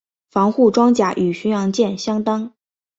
防护装甲与巡洋舰相当。